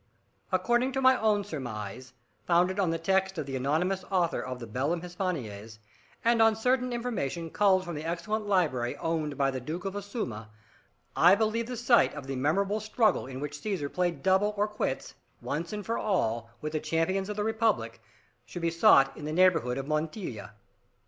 According to my own surmise, founded on the text of the anonymous author of the Bellum Hispaniense, and on certain information culled from the excellent library owned by the Duke of Ossuna, I believed the site of the memorable struggle in which Caesar played double or quits, once and for all, with the champions of the Republic, should be sought in the neighbourhood of Montilla.